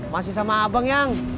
masih sama abang yang